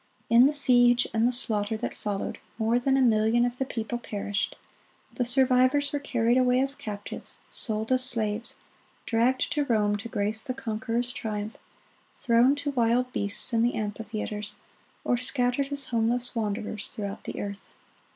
(47) In the siege and the slaughter that followed, more than a million of the people perished; the survivors were carried away as captives, sold as slaves, dragged to Rome to grace the conqueror's triumph, thrown to wild beasts in the amphitheaters, or scattered as homeless wanderers throughout the earth.